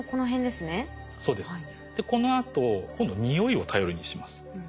でこのあと今度匂いを頼りにします。